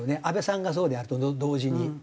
安倍さんがそうであると同時に。